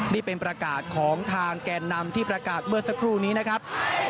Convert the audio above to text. นี่เป็นประกาศของทางแกนนำที่ประกาศเมื่อสักครู่นี้นะครับ